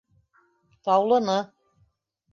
- Таулыны...